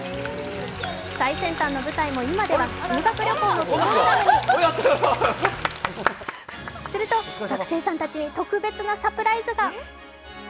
最先端の舞台も今では修学旅行のプログラムにすると、学生さんたちに特別なサプライズが。